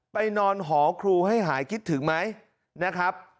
ไปนอนหอครูให้หายคิดถึงไหมนะครับ